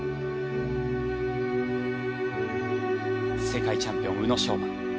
世界チャンピオン、宇野昌磨。